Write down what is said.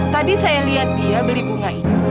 tadi saya lihat dia beli bunga